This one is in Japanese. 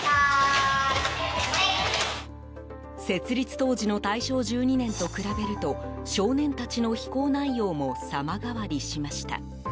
設立当時の大正１２年と比べると少年たちの非行内容も様変わりしました。